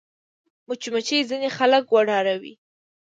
مچمچۍ ځینې خلک وډاروي